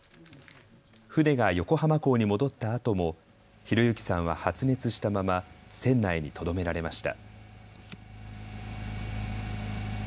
船が横浜港に戻ったあとも碩之さんは発熱したまま船内にとどめられました。